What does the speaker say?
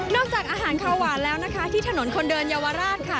จากอาหารข้าวหวานแล้วนะคะที่ถนนคนเดินเยาวราชค่ะ